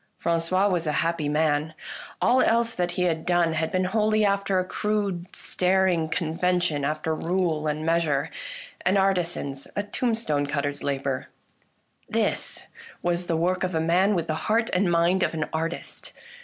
Fran cois was a happy man. All else that he had done had been wholly after a crude, staring convention, after rule and measure — an artisan's, a tombstone cutter's labour. This was the work of a man with the heart and mind of an artist.